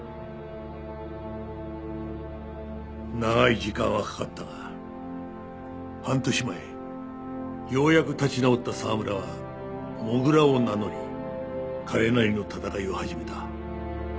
長い時間はかかったが半年前ようやく立ち直った沢村は土竜を名乗り彼なりの戦いを始めた。